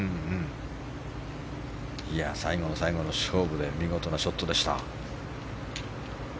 最後の最後の勝負で見事なショットでした。